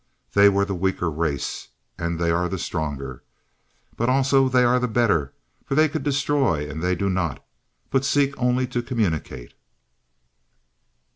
They were the weaker race, and they are the stronger. But also they are the better, for they could destroy, and they do not, but seek only to communicate."